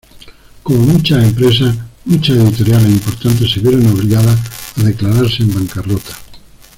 Como muchas empresas, muchas editoriales importantes se vieron obligadas a declararse en bancarrota.